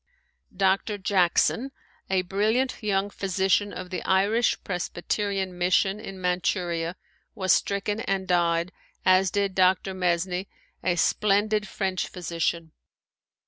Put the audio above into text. Dr. Jackson, a brilliant young physician of the Irish Presbyterian Mission in Manchuria, was stricken and died, as did Dr. Mesny, a splendid French physician.